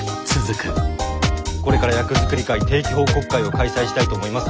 これから役作り会定期報告会を開催したいと思います。